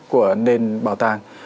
của nền bảo tàng